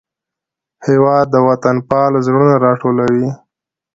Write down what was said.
هېواد د وطنپال زړونه راټولوي.